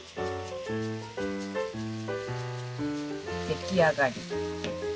出来上がり。